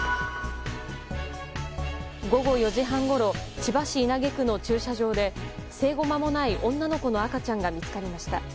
午後４時半ごろ千葉市稲毛区の駐車場で生後まもない女の子の赤ちゃんが見つかりました。